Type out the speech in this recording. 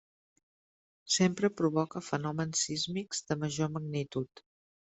Sempre provoca fenòmens sísmics de major magnitud.